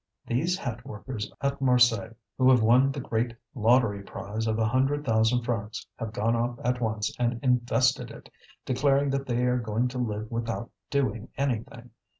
These hatworkers at Marseilles who have won the great lottery prize of a hundred thousand francs have gone off at once and invested it, declaring that they are going to live without doing anything!